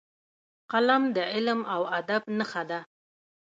قلم د علم او ادب نښه ده